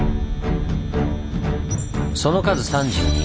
その数３２。